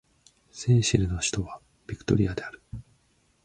セーシェルの首都はビクトリアである